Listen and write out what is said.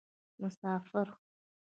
مسافر